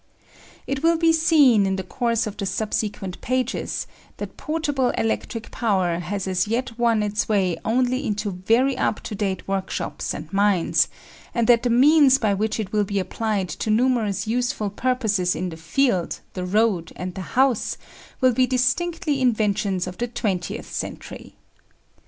It will be seen, in the course of the subsequent pages, that portable electric power has as yet won its way only into very up to date workshops and mines, and that the means by which it will be applied to numerous useful purposes in the field, the road, and the house will be distinctly inventions of the twentieth century.